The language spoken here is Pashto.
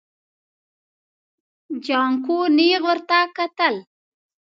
جانکو نيغ ورته وکتل.